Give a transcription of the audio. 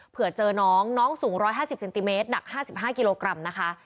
เผื่อเจอน้องน้องสูง๑๕๐เซนติเมตรหนัก๕๕กิโลกรัมนะคะ